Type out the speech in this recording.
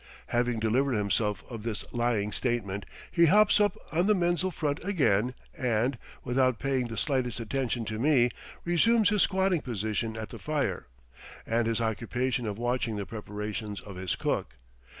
Having delivered himself of this lying statement, he hops up on the menzil front again and, without paying the slightest attention to me, resumes his squatting position at the fire, and his occupation of watching the preparations of his cook.